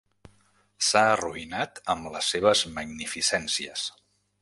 S'ha arruïnat amb les seves magnificències.